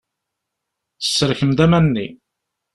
Serkem-d aman-nni.